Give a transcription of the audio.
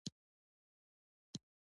په لاره کې زرګونه خلک ووژل شول.